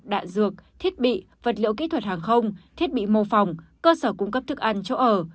đạn dược thiết bị vật liệu kỹ thuật hàng không thiết bị mô phòng cơ sở cung cấp thức ăn chỗ ở